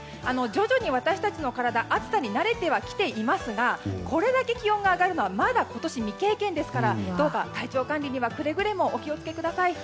徐々に私たちの体は暑さに慣れてきていますがこれだけ気温が上がるのはまだ今年未経験ですからどうか、体調管理にはくれぐれもお気をつけください。